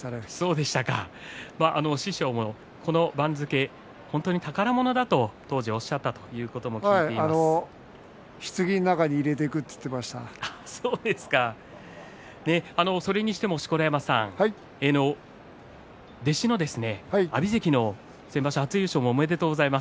師匠はこの番付本当に宝物だと当時おっしゃっていたということもひつぎの中にそれにしても錣山さん弟子の阿炎関の初優勝おめでとうございます。